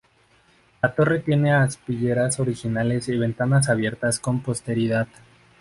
La torre tiene aspilleras originales y ventanas abiertas con posterioridad.